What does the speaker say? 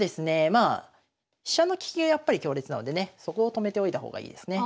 まあ飛車の利きがやっぱり強烈なのでねそこを止めておいた方がいいですね。